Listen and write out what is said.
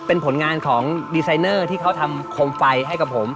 เป็นผลงานของดีไซเนอร์ที่เขาทำโคมไฟให้กับผม